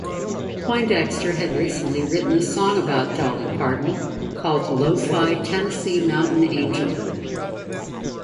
Poindexter had recently written a song about Dolly Parton called "Lo-Fi Tennessee Mountain Angel".